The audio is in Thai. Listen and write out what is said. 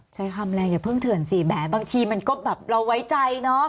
ใช้คำแรงอย่าเพิ่งเถื่อนสิแหมบางทีมันก็แบบเราไว้ใจเนอะ